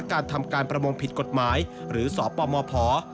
การทำการประมงผิดกฎหมายหรือสปมพ